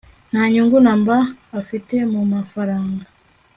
nta nyungu namba afite mumafaranga